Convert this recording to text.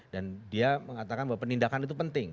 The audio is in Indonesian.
dan dia mengatakan bahwa penindakan itu penting